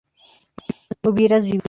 hubierais vivido